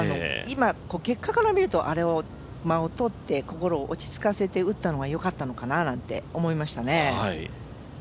今、結果から見ると、間を取って、心を落ち着かせて打ったのがよかったのかなと思いましたね。